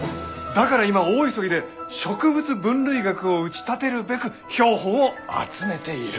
だから今大急ぎで植物分類学を打ち立てるべく標本を集めている。